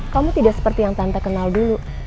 kamu tidak seperti yang tante kenal dulu